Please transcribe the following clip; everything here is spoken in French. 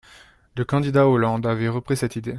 Le candidat Hollande avait repris cette idée.